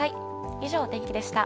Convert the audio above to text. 以上、天気でした。